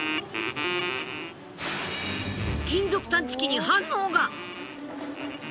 金属探知機に反応が。